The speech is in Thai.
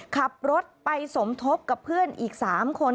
ขับรถไปสมทบกับเพื่อนอีก๓คน